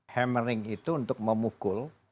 hammering itu untuk memukul